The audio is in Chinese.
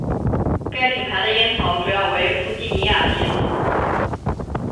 该品牌的烟草主要为弗吉尼亚烟草。